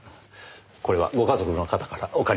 これはご家族の方からお借りしてきました。